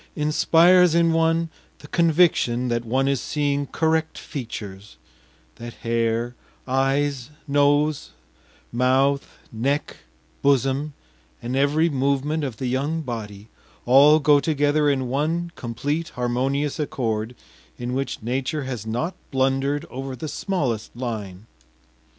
inspires in one the conviction that one is seeing correct features; that hair, eyes, nose, mouth, neck, bosom, and every movement of the young body all go together in one complete harmonious accord in which nature has not blundered over the smallest line.